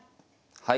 はい。